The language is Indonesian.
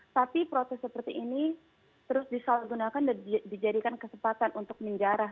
tapi protes seperti ini terus disalahgunakan dan dijadikan kesempatan untuk menjarah